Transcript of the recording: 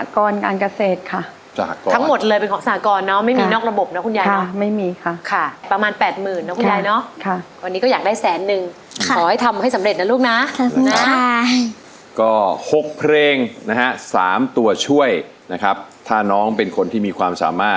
ก็หกเพลงนะครับสามตัวช่วยนะครับ